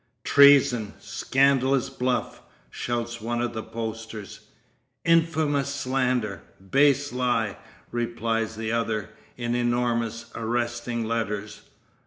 "Treason! Scandalous bluff!" shouts one of the posters. "Infamous slander! Base lie!" replies the other, in enormous, arresting letters.